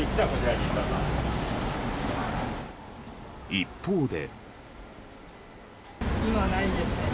一方で。